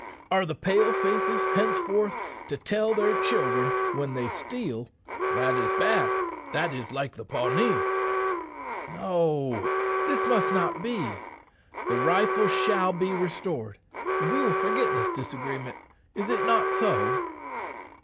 Are the Pale faces henceforth to tell their children when they steal, 'That is bad; that is like the Pawnee?' No; this must not be. The rifle shall be restored, and we will forget this disagreement. Is it not so?"